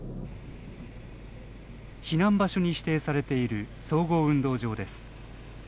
避難場所に指定されている総合運動場です。